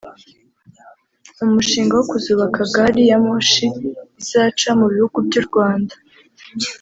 umushinga wo kuzubaka Gari ya moshi izaca mu bihugu by’u Rwanda